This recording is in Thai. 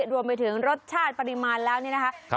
รวมไปถึงรสชาติปริมาณแล้วนี่นะคะ